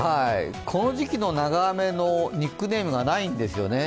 この時期の長雨のニックネームがないんですよね。